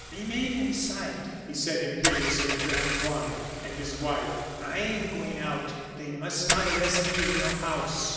"Remain inside," he said, imperiously, to Antoine and his wife. "I am going out; they must not arrest me in your house."